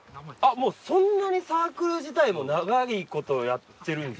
もうそんなにサークル自体も長いことやってるんですね。